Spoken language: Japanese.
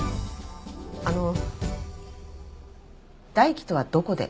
あの大樹とはどこで？